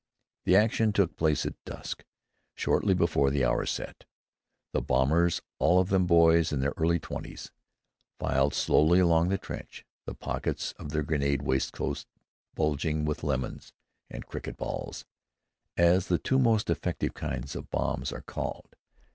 The action took place at dusk. Shortly before the hour set, the bombers, all of them boys in their early twenties, filed slowly along the trench, the pockets of their grenade waistcoats bulging with "lemons" and "cricket balls," as the two most effective kinds of bombs are called.